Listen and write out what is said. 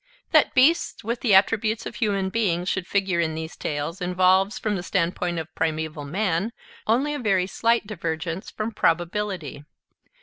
That beasts with the attributes of human beings should figure in these tales involves, from the standpoint of primeval man, only a very slight divergence from probability.